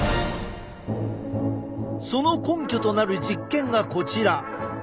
その根拠となる実験がこちら！